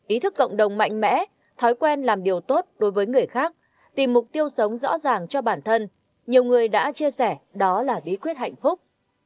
ý thức cộng đồng mạnh mẽ thói quen làm điều tốt đối với người khác tìm mục tiêu sống rõ ràng cho bản thân nhiều người đã chia sẻ đó là bí quyết hạnh phúc